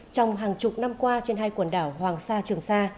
trong hàng chục năm qua trên hai quần đảo hoàng sa trường sa